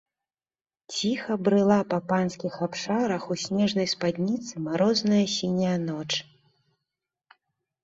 Ціха брыла па панскіх абшарах у снежнай спадніцы марозная сіняя ноч.